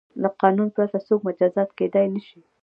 له قانون پرته څوک مجازات کیدای نه شي.